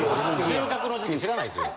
収穫の時期知らないですよ。